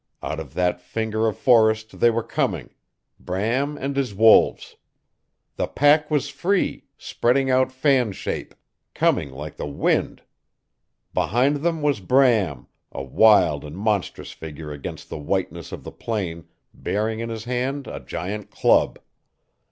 Out of that finger of forest they were coming Bram and his wolves! The pack was free, spreading out fan shape, coming like the wind! Behind them was Bram a wild and monstrous figure against the whiteness of the plain, bearing in his hand a giant club.